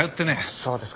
そうですか。